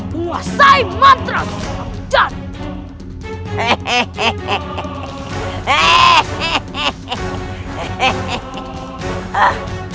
menguasai mantra susuk aman janin